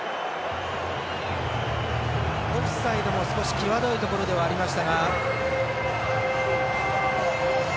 オフサイドも際どいところではありましたが。